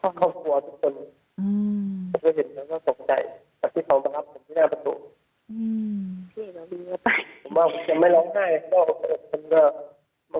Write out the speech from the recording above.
แม็กซ์คุณคุณไม่ต้องว่าจะไม่ลองหรอกค่ะ